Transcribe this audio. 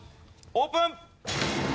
オープン！